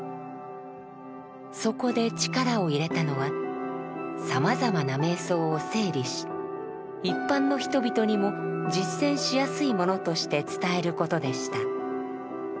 そこで力を入れたのはさまざまな瞑想を整理し一般の人々にも実践しやすいものとして伝えることでした。